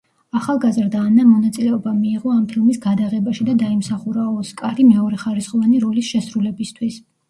ახალგაზრდა ანამ მონაწილეობა მიიღო ამ ფილმის გადაღებაში და დაიმსახურა ოსკარი მეორეხარისხოვანი როლის შესრულებისთვის.